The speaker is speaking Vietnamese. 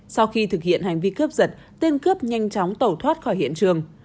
sau khi thực hiện hành vi cướp giật tên cướp nhanh chóng tẩu thoát khỏi hiện trường